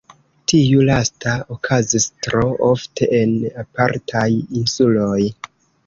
Tiu lasta okazis tro ofte en apartaj insuloj.